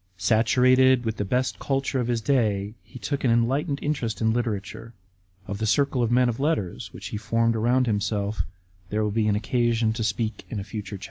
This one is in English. * Saturated with the best culture of his day, he took an enlightened interest in literature. Of the circle of men of letters which he formed around himself there will be an occasion to speak in a future chapter.